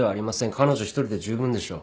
彼女一人で十分でしょう。